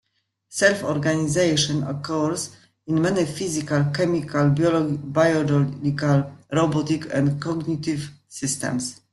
Self-organization occurs in many physical, chemical, biological, robotic, and cognitive systems.